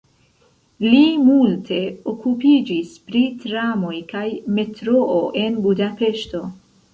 Li multe okupiĝis pri tramoj kaj metroo en Budapeŝto.